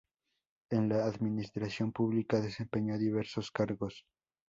En la administración pública desempeñó diversos cargos.